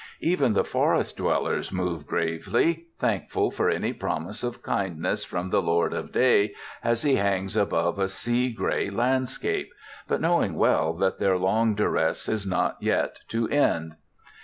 Even the forest dwellers move gravely, thankful for any promise of kindness from the lord of day as he hangs above a sea gray landscape, but knowing well that their long duress is not yet to end.